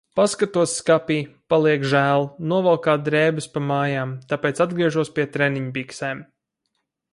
Paskatos skapī, paliek žēl novalkāt drēbes pa mājām, tāpēc atgriežos pie treniņbiksēm.